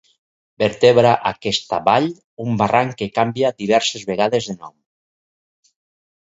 Vertebra aquesta vall un barranc que canvia diverses vegades de nom.